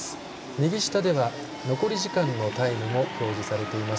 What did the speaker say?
右下では残り時間のタイムが表示されています。